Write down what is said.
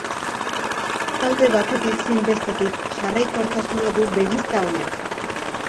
Alde batetik zein bestetik jarraikortasuna du begizta honek.